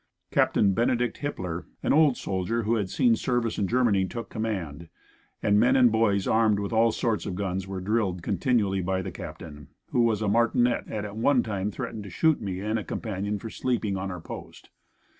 Captain Benedict Hippler, an old soldier who had seen service in Germany, took command, and men and boys armed with all sorts of guns were drilled continually by the Captain, who was a martinet and at one time threatened to shoot me and a companion for sleeping on our post.